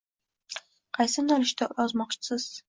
Qaysi yo’nalishda yozmoqchisiz